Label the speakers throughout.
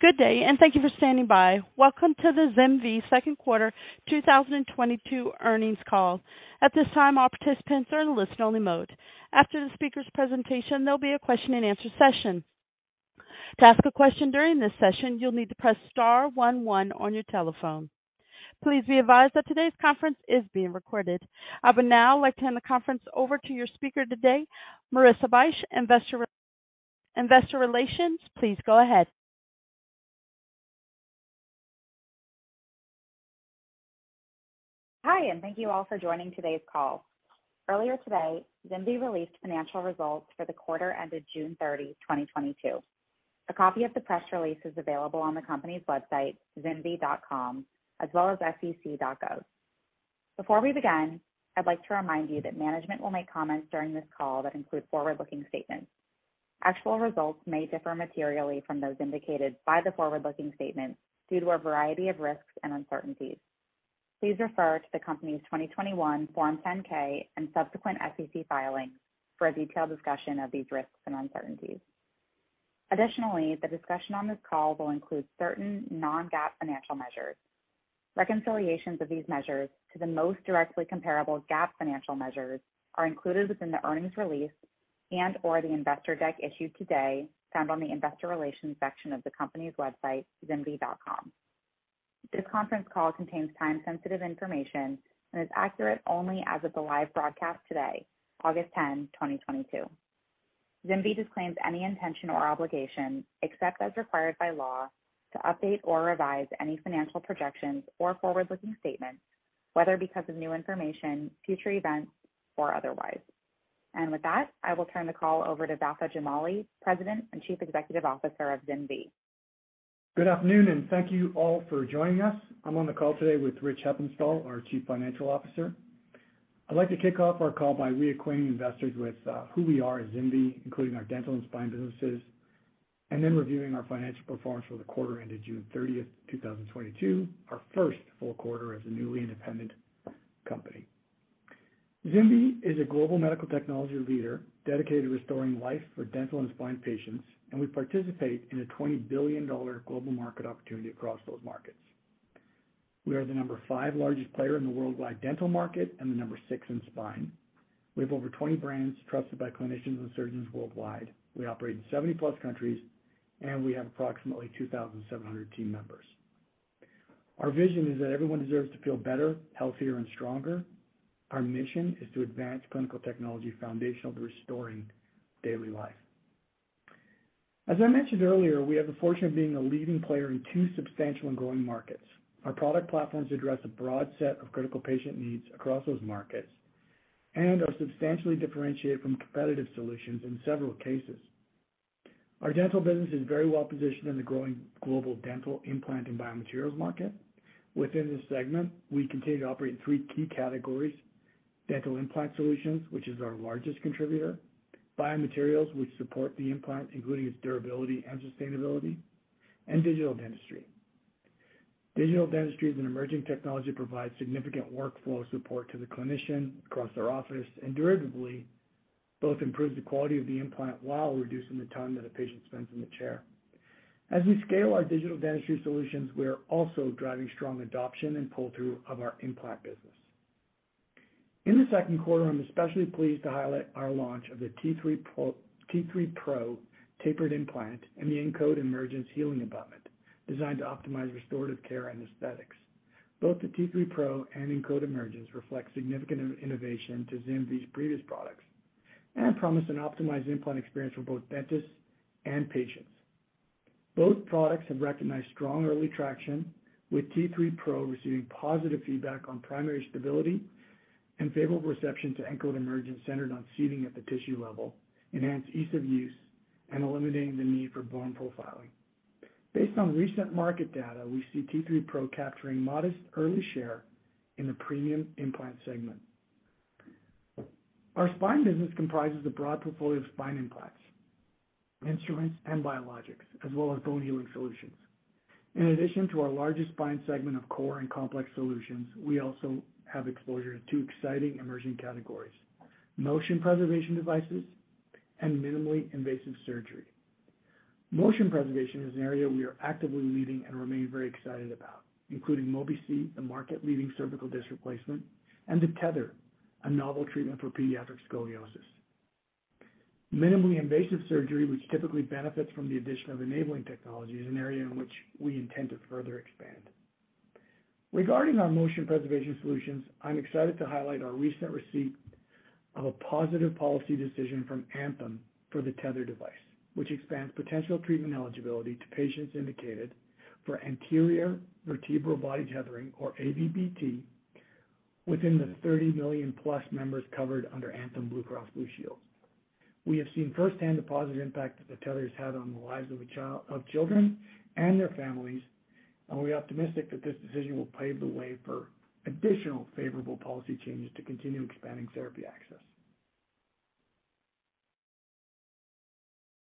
Speaker 1: Good day, and thank you for standing by. Welcome to the ZimVie Second Quarter 2022 Earnings Call. At this time, all participants are in listen-only mode. After the speaker's presentation, there'll be a question-and-answer session. To ask a question during this session, you'll need to press star one one on your telephone. Please be advised that today's conference is being recorded. I would now like to hand the conference over to your speaker today, Marissa Bych, Investor Relations. Please go ahead.
Speaker 2: Hi, and thank you all for joining today's call. Earlier today, ZimVie released financial results for the quarter ended June 30, 2022. A copy of the press release is available on the company's website, zimvie.com, as well as sec.gov. Before we begin, I'd like to remind you that management will make comments during this call that include forward-looking statements. Actual results may differ materially from those indicated by the forward-looking statements due to a variety of risks and uncertainties. Please refer to the company's 2021 Form 10-K and subsequent SEC filings for a detailed discussion of these risks and uncertainties. Additionally, the discussion on this call will include certain non-GAAP financial measures. Reconciliations of these measures to the most directly comparable GAAP financial measures are included within the earnings release and/or the investor deck issued today found on the Investor Relations section of the company's website, zimvie.com. This conference call contains time-sensitive information and is accurate only as of the live broadcast today, August 10, 2022. ZimVie disclaims any intention or obligation, except as required by law, to update or revise any financial projections or forward-looking statements, whether because of new information, future events, or otherwise. With that, I will turn the call over to Vafa Jamali, President and Chief Executive Officer of ZimVie.
Speaker 3: Good afternoon, and thank you all for joining us. I'm on the call today with Rich Heppenstall, our Chief Financial Officer. I'd like to kick off our call by reacquainting investors with who we are at ZimVie, including our Dental and Spine businesses, and then reviewing our financial performance for the quarter ended June 30th, 2022, our first full quarter as a newly independent company. ZimVie is a global medical technology leader dedicated to restoring life for Dental and Spine patients, and we participate in a $20 billion global market opportunity across those markets. We are the number five largest player in the worldwide Dental market and the number six in Spine. We have over 20 brands trusted by clinicians and surgeons worldwide. We operate in 70+ countries, and we have approximately 2,700 team members. Our vision is that everyone deserves to feel better, healthier, and stronger. Our mission is to advance clinical technology foundational to restoring daily life. As I mentioned earlier, we have the fortune of being a leading player in two substantial and growing markets. Our product platforms address a broad set of critical patient needs across those markets and are substantially differentiated from competitive solutions in several cases. Our Dental business is very well positioned in the growing global Dental implant and biomaterials market. Within this segment, we continue to operate in three key categories, Dental implant solutions, which is our largest contributor, biomaterials which support the implant, including its durability and sustainability, and digital dentistry. Digital dentistry is an emerging technology that provides significant workflow support to the clinician across their office, and thereby both improves the quality of the implant while reducing the time that a patient spends in the chair. As we scale our digital dentistry solutions, we are also driving strong adoption and pull-through of our implant business. In the second quarter, I'm especially pleased to highlight our launch of the T3 PRO tapered implant and the Encode Emergence healing abutment designed to optimize restorative care and aesthetics. Both the T3 PRO and Encode Emergence reflect significant innovation to ZimVie's previous products and promise an optimized implant experience for both dentists and patients. Both products have recognized strong early traction, with T3 PRO receiving positive feedback on primary stability and favorable reception to Encode Emergence centered on seating at the tissue level, enhanced ease of use, and eliminating the need for bone profiling. Based on recent market data, we see T3 PRO capturing modest early share in the premium implant segment. Our Spine business comprises a broad portfolio of Spine implants, instruments, and biologics, as well as bone healing solutions. In addition to our largest Spine segment of core and complex solutions, we also have exposure to two exciting emerging categories, motion preservation devices and minimally invasive surgery. Motion preservation is an area we are actively leading and remain very excited about, including Mobi-C, the market-leading cervical disc replacement, and the Tether, a novel treatment for pediatric scoliosis. Minimally invasive surgery, which typically benefits from the addition of enabling technology, is an area in which we intend to further expand. Regarding our motion preservation solutions, I'm excited to highlight our recent receipt of a positive policy decision from Anthem for the Tether device, which expands potential treatment eligibility to patients indicated for anterior vertebral body tethering or AVBT within the 30 million+ members covered under Anthem Blue Cross Blue Shield. We have seen firsthand the positive impact that the Tether has had on the lives of children and their families, and we're optimistic that this decision will pave the way for additional favorable policy changes to continue expanding therapy access.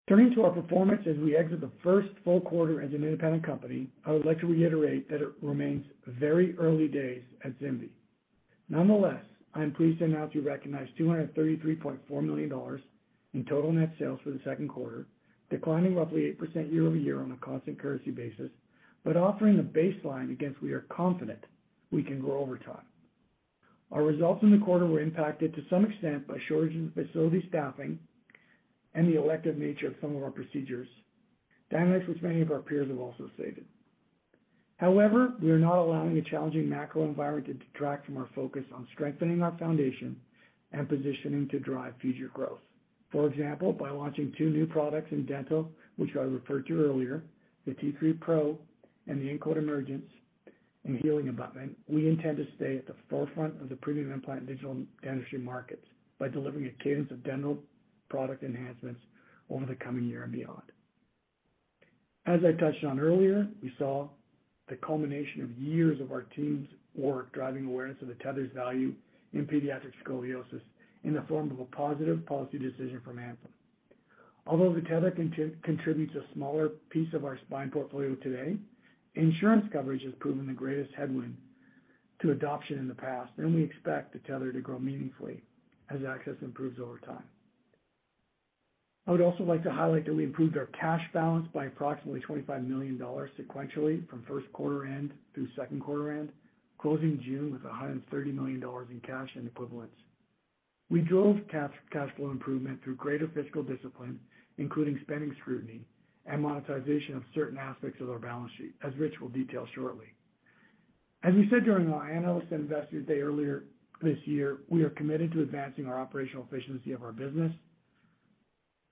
Speaker 3: Turning to our performance as we exit the first full quarter as an independent company, I would like to reiterate that it remains very early days at ZimVie. Nonetheless, I am pleased to announce we recognized $233.4 million in total net sales for the second quarter, declining roughly 8% year-over-year on a constant currency basis, but offering a baseline against which we are confident we can grow over time. Our results in the quarter were impacted to some extent by shortages in facility staffing and the elective nature of some of our procedures, dynamics which many of our peers have also stated. However, we are not allowing a challenging macro environment to detract from our focus on strengthening our foundation and positioning to drive future growth. For example, by launching two new products in Dental, which I referred to earlier, the T3 Pro and the Encode Emergence and healing abutment, we intend to stay at the forefront of the premium implant digital dentistry markets by delivering a cadence of Dental product enhancements over the coming year and beyond. As I touched on earlier, we saw the culmination of years of our team's work driving awareness of the Tether's value in pediatric scoliosis in the form of a positive policy decision from Anthem. Although the Tether contributes a smaller piece of our Spine portfolio today, insurance coverage has proven the greatest headwind to adoption in the past, and we expect the Tether to grow meaningfully as access improves over time. I would also like to highlight that we improved our cash balance by approximately $25 million sequentially from first quarter end through second quarter end, closing June with $130 million in cash and equivalents. We drove cash flow improvement through greater fiscal discipline, including spending scrutiny and monetization of certain aspects of our balance sheet, as Rich will detail shortly. As we said during our Analyst Investor Day earlier this year, we are committed to advancing our operational efficiency of our business,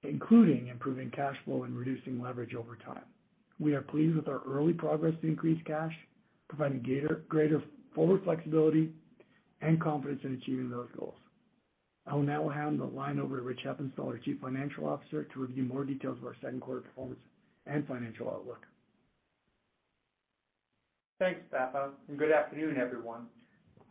Speaker 3: including improving cash flow and reducing leverage over time. We are pleased with our early progress to increase cash, providing greater forward flexibility and confidence in achieving those goals. I will now hand the line over to Rich Heppenstall, our Chief Financial Officer, to review more details of our second quarter performance and financial outlook.
Speaker 4: Thanks, Vafa, and good afternoon, everyone.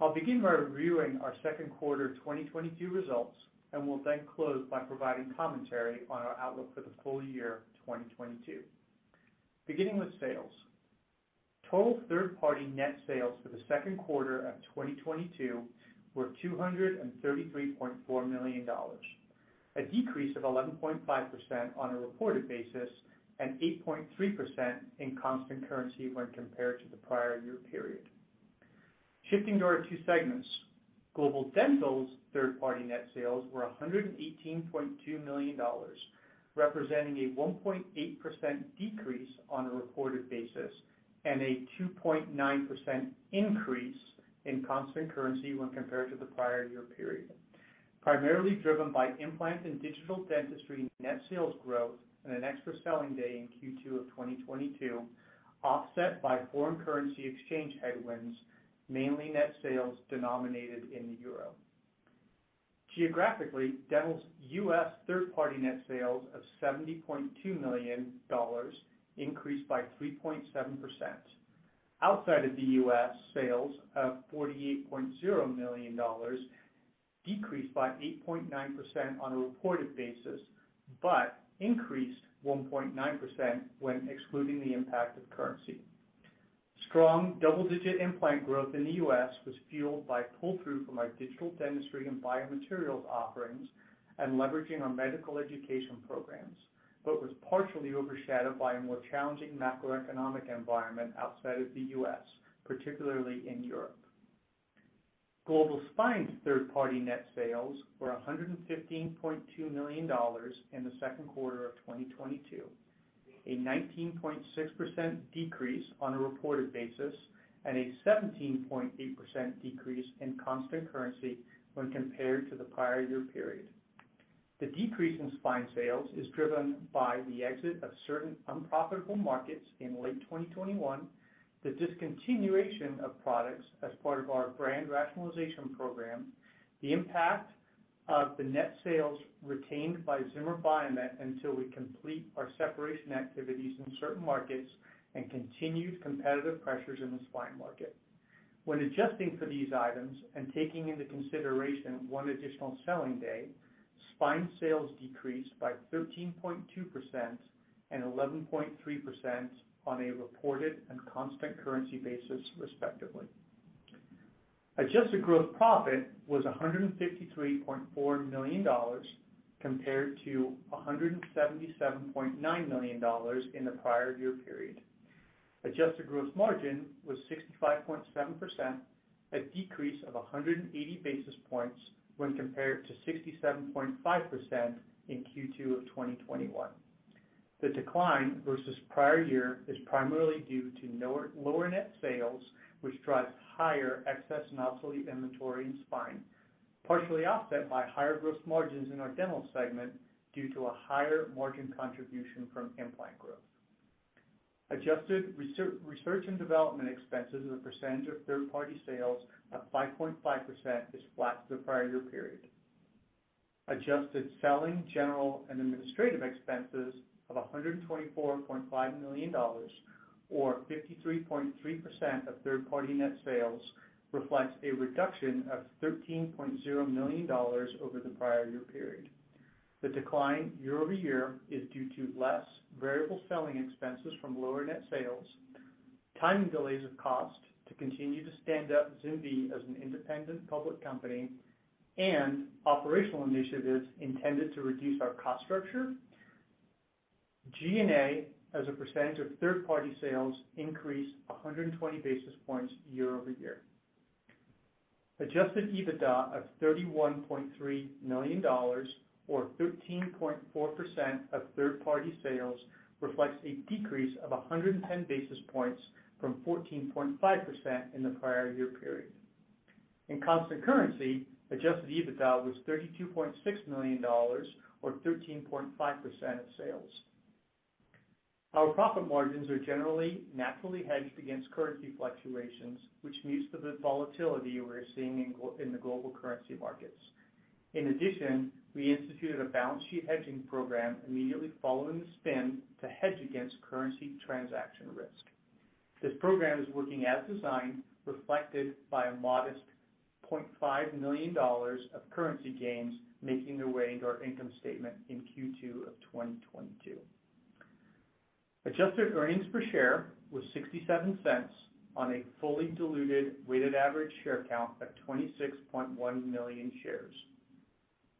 Speaker 4: I'll begin by reviewing our second quarter 2022 results, and will then close by providing commentary on our outlook for the full year 2022. Beginning with sales. Total third-party net sales for the second quarter of 2022 were $233.4 million, a decrease of 11.5% on a reported basis and 8.3% in constant currency when compared to the prior year period. Shifting to our two segments. Global Dental's third-party net sales were $118.2 million, representing a 1.8% decrease on a reported basis and a 2.9% increase in constant currency when compared to the prior year period, primarily driven by implant and digital dentistry net sales growth and an extra selling day in Q2 of 2022, offset by foreign currency exchange headwinds, mainly net sales denominated in the euro. Geographically, Dental's U.S. third-party net sales of $70.2 million increased by 3.7%. Outside of the U.S., sales of $48.0 million decreased by 8.9% on a reported basis, but increased 1.9% when excluding the impact of currency. Strong double-digit implant growth in the U.S. was fueled by pull-through from our digital dentistry and biomaterials offerings and leveraging our medical education programs, but was partially overshadowed by a more challenging macroeconomic environment outside of the U.S., particularly in Europe. Global Spine's third-party net sales were $115.2 million in the second quarter of 2022, a 19.6% decrease on a reported basis and a 17.8% decrease in constant currency when compared to the prior year period. The decrease in Spine sales is driven by the exit of certain unprofitable markets in late 2021, the discontinuation of products as part of our brand rationalization program, the impact of the net sales retained by Zimmer Biomet until we complete our separation activities in certain markets, and continued competitive pressures in the Spine market. When adjusting for these items and taking into consideration one additional selling day, Spine sales decreased by 13.2% and 11.3% on a reported and constant currency basis, respectively. Adjusted gross profit was $153.4 million compared to $177.9 million in the prior year period. Adjusted gross margin was 65.7%, a decrease of 180 basis points when compared to 67.5% in Q2 of 2021. The decline versus prior year is primarily due to lower net sales, which drives higher excess and obsolete inventory in Spine, partially offset by higher gross margins in our Dental segment due to a higher margin contribution from implant growth. Adjusted research and development expenses as a percentage of third-party sales of 5.5% is flat to the prior year period. Adjusted selling, general, and administrative expenses of $124.5 million or 53.3% of third-party net sales reflects a reduction of $13.0 million over the prior year period. The decline year-over-year is due to less variable selling expenses from lower net sales, timing delays of cost to continue to stand up ZimVie as an independent public company, and operational initiatives intended to reduce our cost structure. SG&A as a percentage of third-party sales increased 120 basis points year-over-year. Adjusted EBITDA of $31.3 million or 13.4% of third-party sales reflects a decrease of 110 basis points from 14.5% in the prior year period. In constant currency, adjusted EBITDA was $32.6 million or 13.5% of sales. Our profit margins are generally naturally hedged against currency fluctuations, which mutes the volatility we're seeing in the global currency markets. In addition, we instituted a balance sheet hedging program immediately following the spin to hedge against currency transaction risk. This program is working as designed, reflected by a modest $0.5 million of currency gains making their way into our income statement in Q2 of 2022. Adjusted earnings per share was $0.67 on a fully diluted weighted average share count of 26.1 million shares.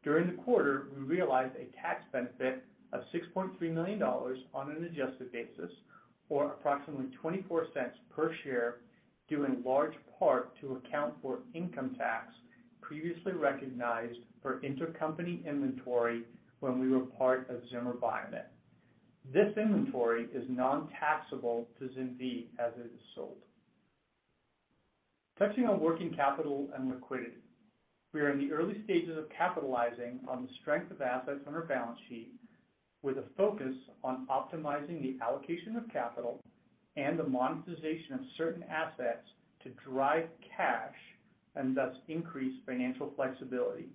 Speaker 4: During the quarter, we realized a tax benefit of $6.3 million on an adjusted basis or approximately $0.24 per share, due in large part to account for income tax previously recognized for intercompany inventory when we were part of Zimmer Biomet. This inventory is non-taxable to ZimVie as it is sold. Touching on working capital and liquidity, we are in the early stages of capitalizing on the strength of assets on our balance sheet with a focus on optimizing the allocation of capital and the monetization of certain assets to drive cash and thus increase financial flexibility.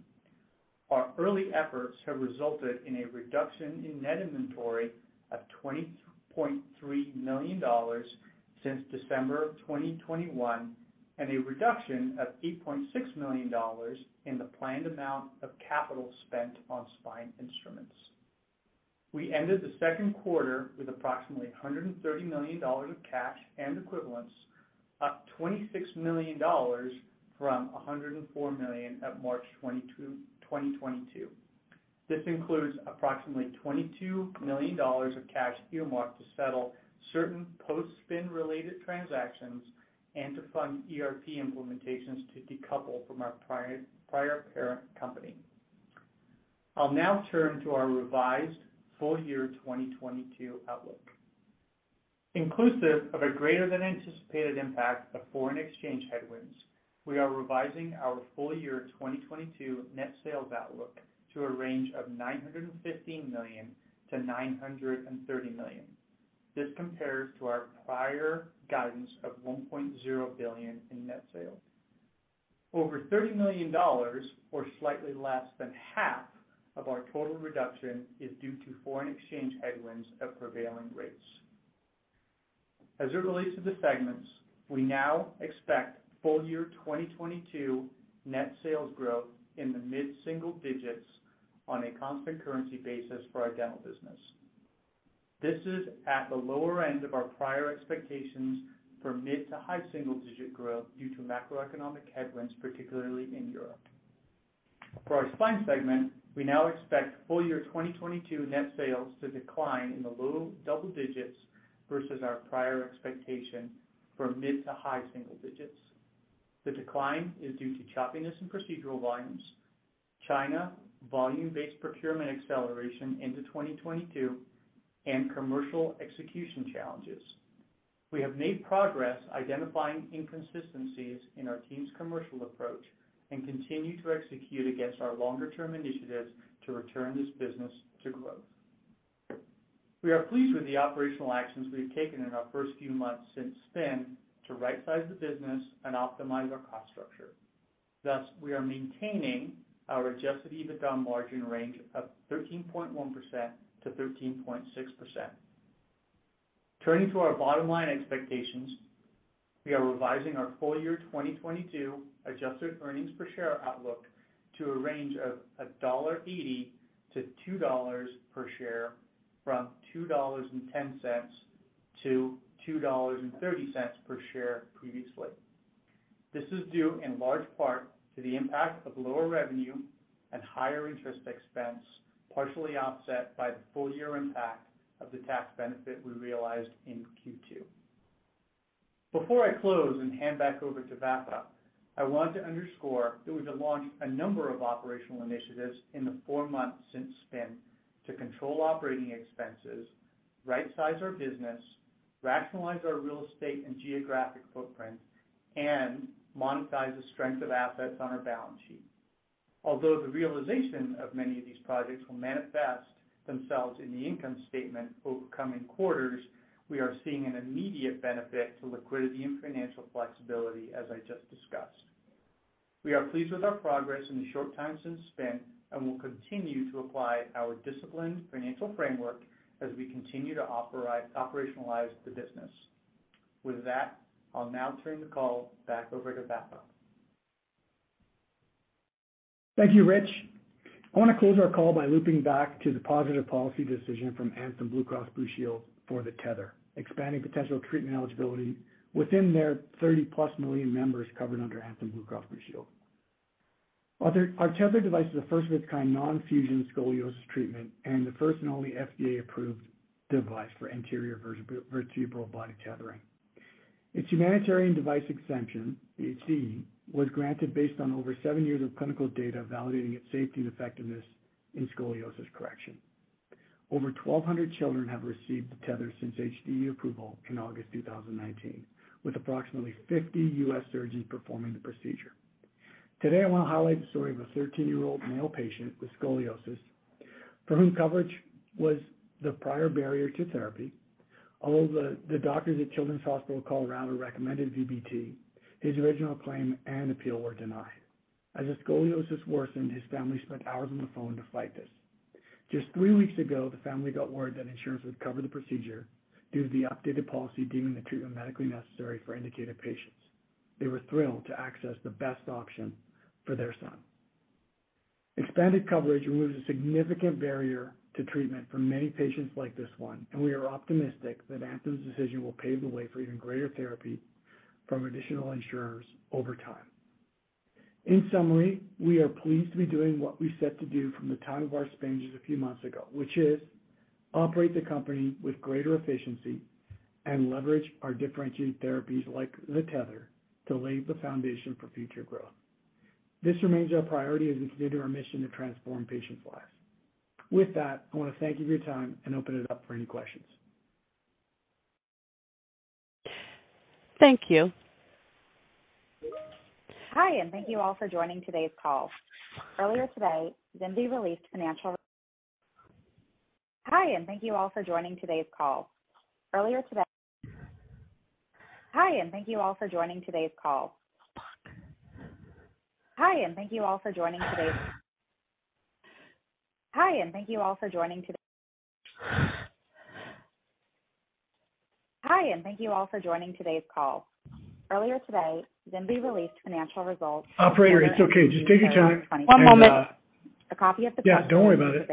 Speaker 4: Our early efforts have resulted in a reduction in net inventory of $20.3 million since December 2021, and a reduction of $8.6 million in the planned amount of capital spent on Spine instruments. We ended the second quarter with approximately $130 million of cash and equivalents, up $26 million from $104 million at March 2022. This includes approximately $22 million of cash earmarked to settle certain post-spin related transactions and to fund ERP implementations to decouple from our prior parent company. I'll now turn to our revised full year 2022 outlook. Inclusive of a greater than anticipated impact of foreign exchange headwinds, we are revising our full year 2022 net sales outlook to a range of $915 million-$930 million. This compares to our prior guidance of $1.0 billion in net sales. Over $30 million or slightly less than half of our total reduction is due to foreign exchange headwinds at prevailing rates. As it relates to the segments, we now expect full year 2022 net sales growth in the mid-single digits on a constant currency basis for our Dental business. This is at the lower end of our prior expectations for mid to high single digit growth due to macroeconomic headwinds, particularly in Europe. For our Spine segment, we now expect full year 2022 net sales to decline in the low double digits versus our prior expectation for mid to high single digits. The decline is due to choppiness in procedural volumes, China Volume-Based Procurement acceleration into 2022, and commercial execution challenges. We have made progress identifying inconsistencies in our team's commercial approach and continue to execute against our longer-term initiatives to return this business to growth. We are pleased with the operational actions we have taken in our first few months since spin to rightsize the business and optimize our cost structure. Thus, we are maintaining our adjusted EBITDA margin range of 13.1%-13.6%. Turning to our bottom line expectations, we are revising our full year 2022 adjusted earnings per share outlook to a range of $1.80-$2 per share from $2.10-$2.30 per share previously. This is due in large part to the impact of lower revenue and higher interest expense, partially offset by the full year impact of the tax benefit we realized in Q2. Before I close and hand back over to Vafa, I want to underscore that we've launched a number of operational initiatives in the four months since spin to control operating expenses, rightsize our business, rationalize our real estate and geographic footprint, and monetize the strength of assets on our balance sheet. Although the realization of many of these projects will manifest themselves in the income statement over coming quarters, we are seeing an immediate benefit to liquidity and financial flexibility, as I just discussed. We are pleased with our progress in the short time since spin and will continue to apply our disciplined financial framework as we continue to operationalize the business. With that, I'll now turn the call back over to Vafa.
Speaker 3: Thank you, Rich. I want to close our call by looping back to the positive policy decision from Anthem Blue Cross Blue Shield for The Tether, expanding potential treatment eligibility within their 30+ million members covered under Anthem Blue Cross Blue Shield. Our Tether device is a first of its kind non-fusion scoliosis treatment and the first and only FDA-approved device for anterior vertebral body tethering. Its humanitarian device exemption, HDE, was granted based on over seven years of clinical data validating its safety and effectiveness in scoliosis correction. Over 1,200 children have received The Tether since HDE approval in August 2019, with approximately 50 U.S. surgeons performing the procedure. Today, I want to highlight the story of a 13-year-old male patient with scoliosis for whom coverage was the prior barrier to therapy. Although the doctors at Children's Hospital called around and recommended VBT, his original claim and appeal were denied. As his scoliosis worsened, his family spent hours on the phone to fight this. Just three weeks ago, the family got word that insurance would cover the procedure due to the updated policy deeming the treatment medically necessary for indicated patients. They were thrilled to access the best option for their son. Expanded coverage removes a significant barrier to treatment for many patients like this one, and we are optimistic that Anthem's decision will pave the way for even greater therapy from additional insurers over time. In summary, we are pleased to be doing what we set to do from the time of our strategic a few months ago, which is operate the company with greater efficiency and leverage our differentiated therapies like the Tether to lay the foundation for future growth. This remains our priority as we continue our mission to transform patients' lives. With that, I want to thank you for your time and open it up for any questions.
Speaker 1: Thank you. Hi, and thank you all for joining today's call. Earlier today, ZimVie released financial results.
Speaker 3: Operator, it's okay. Just take your time.
Speaker 1: One moment.
Speaker 3: Yeah, don't worry about it.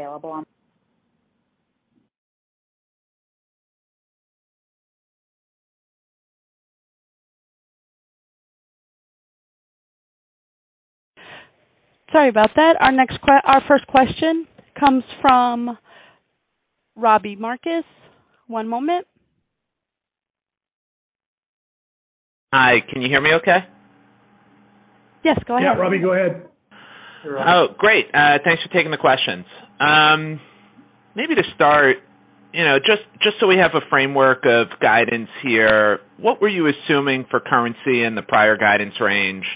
Speaker 1: Sorry about that. Our first question comes from Robbie Marcus. One moment.
Speaker 5: Hi, can you hear me okay?
Speaker 1: Yes, go ahead.
Speaker 3: Yeah, Robbie, go ahead.
Speaker 5: Oh, great. Thanks for taking the questions. Maybe to start, you know, just so we have a framework of guidance here, what were you assuming for currency in the prior guidance range?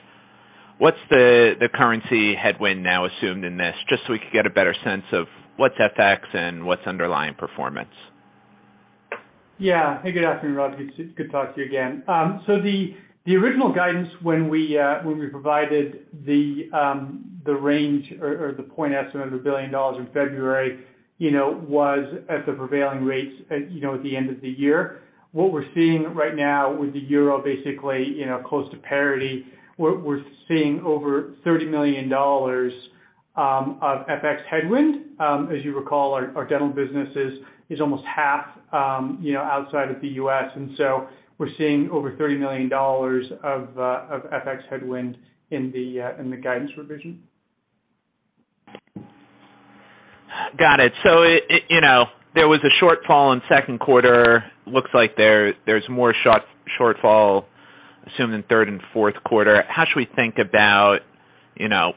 Speaker 5: What's the currency headwind now assumed in this? Just so we can get a better sense of what's FX and what's underlying performance.
Speaker 4: Yeah. Hey, good afternoon, Rob. Good to talk to you again. So the original guidance when we provided the range or the point estimate of $1 billion in February, you know, was at the prevailing rates, you know, at the end of the year. What we're seeing right now with the euro basically, you know, close to parity, we're seeing over $30 million of FX headwind. As you recall, our Dental business is almost half, you know, outside of the U.S. We're seeing over $30 million of FX headwind in the guidance revision.
Speaker 5: Got it. You know, there was a shortfall in second quarter. Looks like there's more shortfall, I assume, than third and fourth quarter. How should we think about, you know,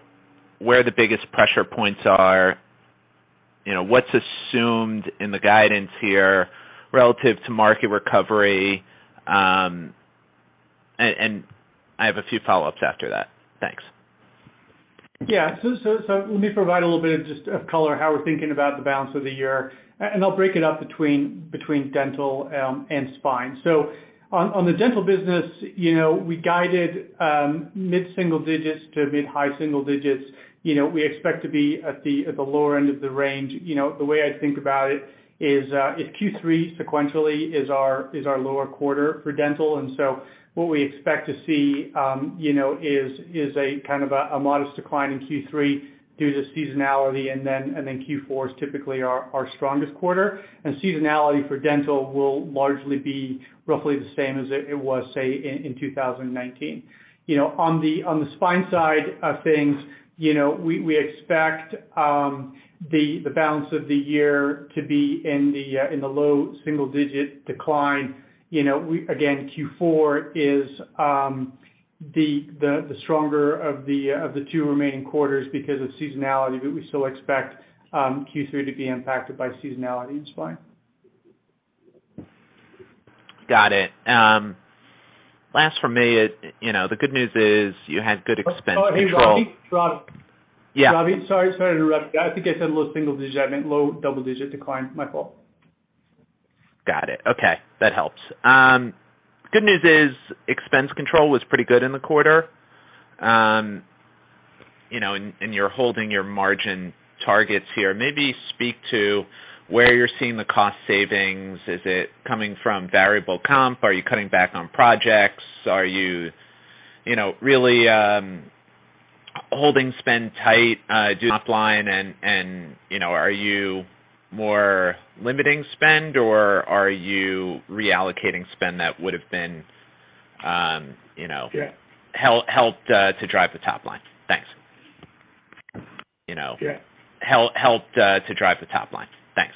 Speaker 5: where the biggest pressure points are? You know, what's assumed in the guidance here relative to market recovery? I have a few follow-ups after that. Thanks.
Speaker 4: Yeah. Let me provide a little bit of color on how we're thinking about the balance of the year, and I'll break it up between Dental and Spine. On the Dental business, you know, we guided mid-single digits to mid-high single digits. You know, we expect to be at the lower end of the range. You know, the way I think about it is Q3 sequentially is our lower quarter for Dental. What we expect to see, you know, is a kind of a modest decline in Q3 due to seasonality. Then Q4 is typically our strongest quarter. Seasonality for Dental will largely be roughly the same as it was, say in 2019. You know, on the Spine side of things, you know, we expect the balance of the year to be in the low single-digit decline. You know, again, Q4 is the stronger of the two remaining quarters because of seasonality. We still expect Q3 to be impacted by seasonality in Spine.
Speaker 5: Got it. Last for me, you know, the good news is you had good expense control.
Speaker 4: Oh, hey, Robbie.
Speaker 5: Yeah.
Speaker 4: Robbie, sorry. Sorry to interrupt. I think I said low single digits. I meant low double-digit decline. My fault.
Speaker 5: Got it. Okay, that helps. Good news is expense control was pretty good in the quarter. You're holding your margin targets here. Maybe speak to where you're seeing the cost savings. Is it coming from variable comp? Are you cutting back on projects? Are you really holding spend tight, doing offline, and are you more limiting spend or are you reallocating spend that would've been?
Speaker 3: Yeah.
Speaker 5: Helped to drive the top line? Thanks. You know.
Speaker 3: Yeah.
Speaker 5: Helped to drive the top line. Thanks.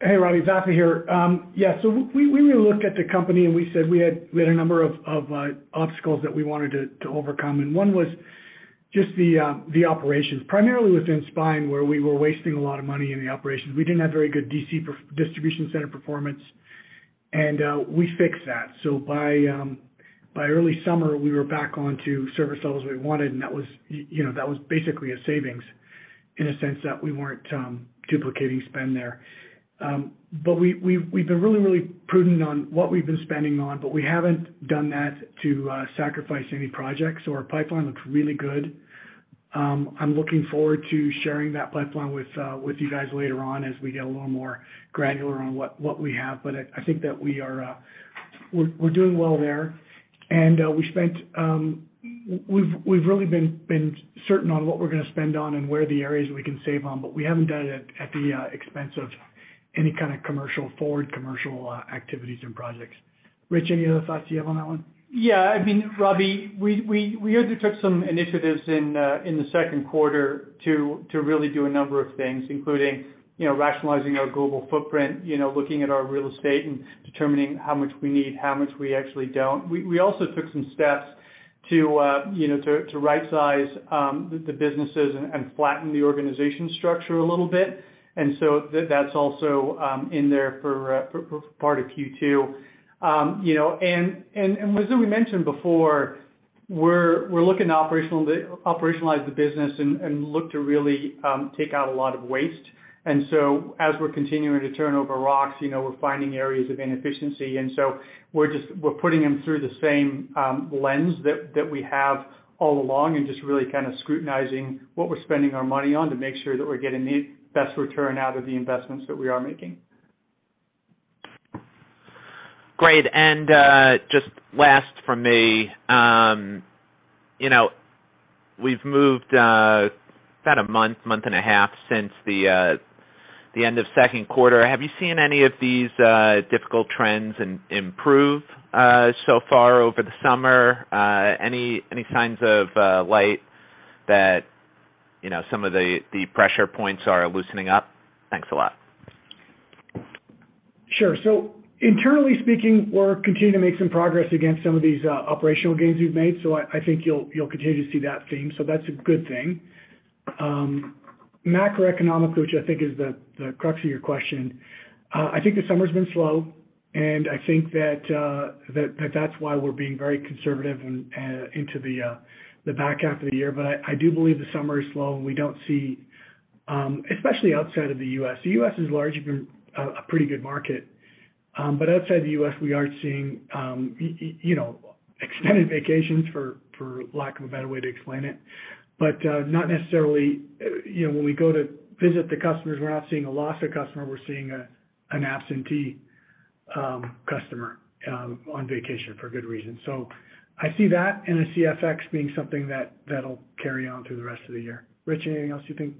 Speaker 3: Hey, Robbie, Vafa Jamali here. We really looked at the company and we said we had a number of obstacles that we wanted to overcome and one was just the operations. Primarily within Spine where we were wasting a lot of money in the operations. We didn't have very good DC, distribution center performance and we fixed that. By early summer we were back to service levels we wanted and that was, you know, that was basically a savings in a sense that we weren't duplicating spend there. We've been really prudent on what we've been spending on, but we haven't done that to sacrifice any projects. Our pipeline looks really good. I'm looking forward to sharing that pipeline with you guys later on as we get a little more granular on what we have. I think that we're doing well there. We've really been certain on what we're gonna spend on and where the areas we can save on, but we haven't done it at the expense of any kind of forward commercial activities and projects. Rich, any other thoughts you have on that one?
Speaker 4: Yeah. I mean, Robbie, we undertook some initiatives in the second quarter to really do a number of things including, you know, rationalizing our global footprint, you know, looking at our real estate and determining how much we need, how much we actually don't. We also took some steps to, you know, right-size the businesses and flatten the organizational structure a little bit. That's also in there for part of Q2. You know, as we mentioned before, we're looking to operationalize the business and look to really take out a lot of waste. As we're continuing to turn over rocks, you know, we're finding areas of inefficiency and so we're just putting them through the same lens that we have all along and just really kind of scrutinizing what we're spending our money on to make sure that we're getting the best return out of the investments that we are making.
Speaker 5: Great. Just last from me, you know, we've moved about a month and a half since the end of second quarter. Have you seen any of these difficult trends improve so far over the summer? Any signs of light that, you know, some of the pressure points are loosening up? Thanks a lot.
Speaker 3: Sure. Internally speaking, we're continuing to make some progress against some of these operational gains we've made. I think you'll continue to see that theme. That's a good thing. Macroeconomically, which I think is the crux of your question, I think the summer's been slow and I think that's why we're being very conservative and into the back half of the year. I do believe the summer is slow and we don't see, especially outside of the U.S. The U.S. has largely been a pretty good market. Outside the U.S. we are seeing, you know, extended vacations for lack of a better way to explain it. But not necessarily, you know, when we go to visit the customers we're not seeing a loss of customer, we're seeing an absentee customer on vacation for good reason. I see that and I see FX being something that'll carry on through the rest of the year. Rich, anything else you think?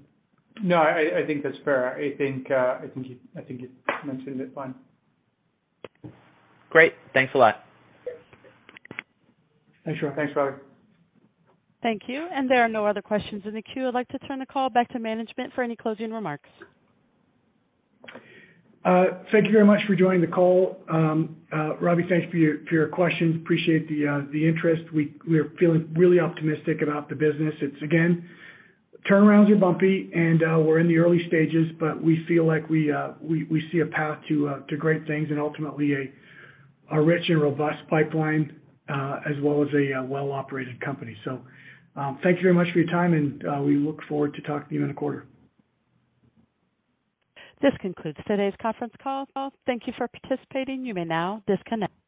Speaker 4: No, I think that's fair. I think you mentioned it fine.
Speaker 5: Great. Thanks a lot.
Speaker 3: Thanks, Robbie.
Speaker 4: Thanks, Robbie.
Speaker 1: Thank you. There are no other questions in the queue. I'd like to turn the call back to management for any closing remarks.
Speaker 3: Thank you very much for joining the call. Robbie, thanks for your questions. Appreciate the interest. We are feeling really optimistic about the business. It's again, turnarounds are bumpy and we're in the early stages, but we feel like we see a path to great things and ultimately a rich and robust pipeline, as well as a well-operated company. Thank you very much for your time and we look forward to talking to you in a quarter.
Speaker 1: This concludes today's conference call. Thank you for participating. You may now disconnect.